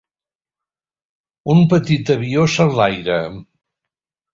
Un petit avió s'enlaira.